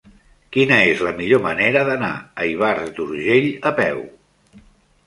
Quina és la millor manera d'anar a Ivars d'Urgell a peu?